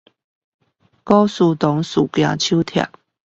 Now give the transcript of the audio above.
古書堂事件手帖